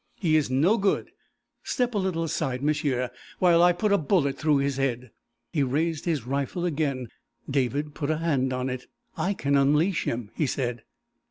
He is no good. Step a little aside, m'sieu, while I put a bullet through his head!" He raised his rifle again. David put a hand on it. "I can unleash him," he said.